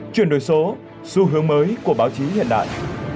chuyển đổi số xu hướng mới của báo chí hiện đại